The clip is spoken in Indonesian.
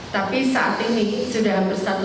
tapi saat ini sudah bersatu